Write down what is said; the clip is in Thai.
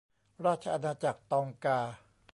ราชอาณาจักรตองกา